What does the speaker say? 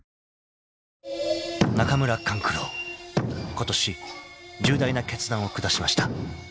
［ことし重大な決断を下しました］